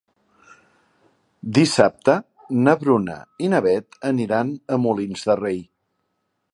Dissabte na Bruna i na Beth aniran a Molins de Rei.